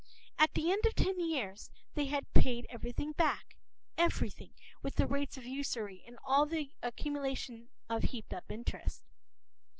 p>At the end of ten years they had paid everything back, everything, with the rates of usury and all the accumulation of heaped up interest.